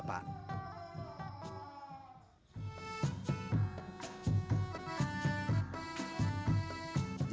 pemerintahan kepentingan di kedudukan pantai